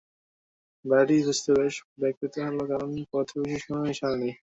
বাড়িটি খুঁজতে বেশ বেগ পেতে হলো, কারণ পথে বিশেষ কোনো নিশানা নেই।